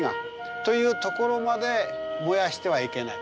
というところまで燃やしてはいけない。